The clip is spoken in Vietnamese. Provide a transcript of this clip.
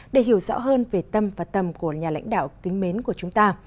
để hiểu rõ hơn về tâm và tầm của nhà lãnh đạo kính mến của chúng ta